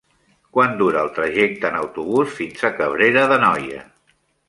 Quant dura el trajecte en autobús fins a Cabrera d'Anoia?